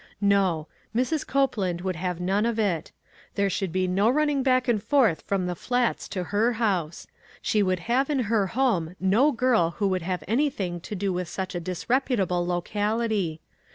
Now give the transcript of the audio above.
No ; Mrs. Copeland would have none of it. There should be no running back and forth from the Flats to her house. She would have in her home no girl who would have anything to do with such a dis reputable locality.